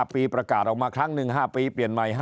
ปีประกาศออกมาครั้งหนึ่ง๕ปีเปลี่ยนใหม่